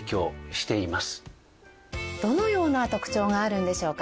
どのような特徴があるんでしょうか？